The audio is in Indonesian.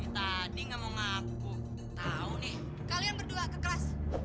tadi kamu ngaku tahu nih kalian berdua ke kelas